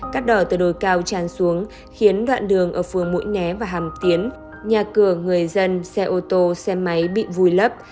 cát đỏ từ đồi cao tràn xuống khiến đoạn đường ở phường mũi né và hàm tiến nhà cửa người dân xe ô tô xe máy bị vùi lấp